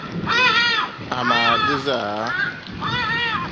amaa di zaa?